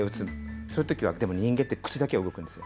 そういうときは、でも人間って口だけは動くんですよ。